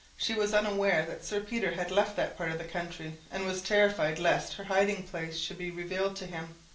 She was unaware that Sir Peter had left that part of the country, and was terrified lest her hiding place should be revealed to him.